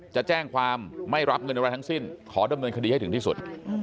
จะแจ้งความไม่รับเงินอะไรทั้งสิ้นขอดำเนินคดีให้ถึงที่สุด